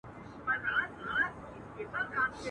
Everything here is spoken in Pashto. د ابوجهل د غرور په اجاره ختلی.